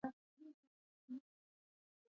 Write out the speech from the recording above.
د ځمکې قلبه کول ډیر زیار غواړي.